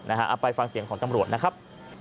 เอาไปฟังเสียงของตำรวจนะครับ